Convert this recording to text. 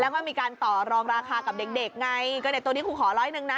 แล้วก็มีการต่อรองราคากับเด็กเด็กไงก็เด็กตัวนี้ครูขอร้อยหนึ่งนะ